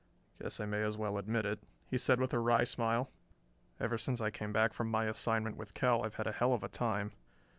"Guess I may as well admit it," he said with a wry smile. "Ever since I came back from my assignment with Kell I have had a hell of a time.